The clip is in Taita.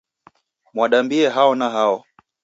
Mwadambie hao na hao?